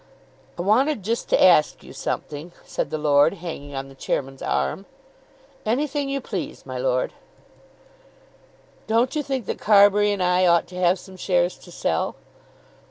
"I wanted just to ask you something," said the lord, hanging on the chairman's arm. "Anything you please, my lord." "Don't you think that Carbury and I ought to have some shares to sell?"